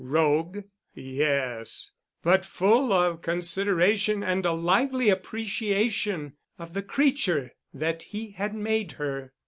Rogue? Yes. But full of consideration and a lively appreciation of the creature that he had made her.